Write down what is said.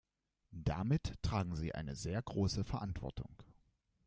Damit tragen sie eine sehr große Verantwortung.